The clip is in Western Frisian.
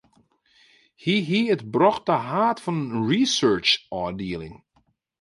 Hy hie it brocht ta haad fan in researchôfdieling.